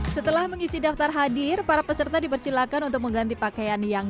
setelah mengisi daftar hadir para peserta dipersilakan untuk mengganti pakaian yang